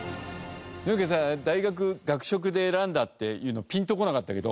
なんかさ大学学食で選んだっていうのピンとこなかったけど。